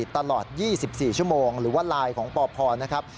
ตลอด๒๔ชั่วโมงหรือว่าไลน์ของปพนะครับ